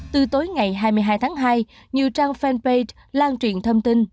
từ tối ngày hai mươi hai tháng hai nhiều trang fanpage lan truyền thông tin